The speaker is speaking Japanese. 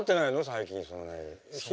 最近そんなに。